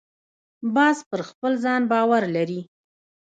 باز پر خپل ځان باور لري